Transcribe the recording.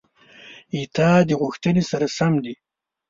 ستا د غوښتنې سره سم دي: